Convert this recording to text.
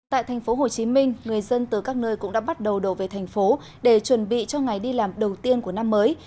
tại thành phố hồ chí minh người dân từ các nơi cũng đã bắt đầu đổ về thành phố để chuẩn bị cho ngày đi làm đầu tiên của năm mới